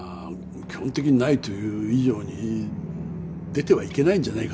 基本的にないという以上に出てはいけないんじゃないかと思いますね